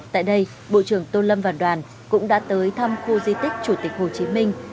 tại đây bộ trưởng tô lâm và đoàn cũng đã tới thăm khu di tích chủ tịch hồ chí minh